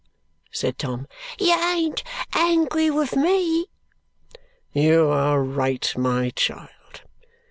said Tom. "You ain't angry with ME." "You are right, my child.